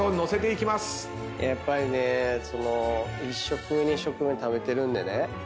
やっぱりねその１食２食目食べてるんでね